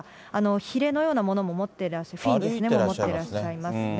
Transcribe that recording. ヒレのようなものも持ってらっしゃる、フィンですね、持ってらっしゃいますね。